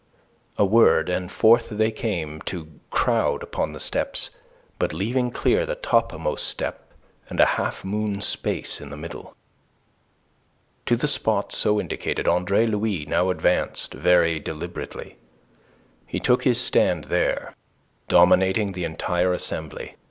A word, and forth they came to crowd upon the steps, but leaving clear the topmost step and a half moon space in the middle. To the spot so indicated, Andre Louis now advanced very deliberately. He took his stand there, dominating the entire assembly.